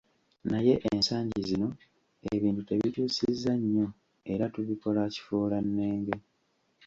Naye ensangi zino ebintu tubikyusizza nnyo era tubikola kifuulannenge.